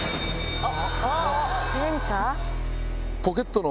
あっ！